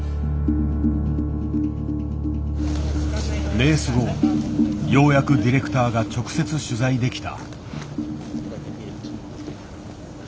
レース後ようやくディレクターが直接取材できた。